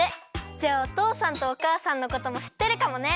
じゃあおとうさんとおかあさんのこともしってるかもね？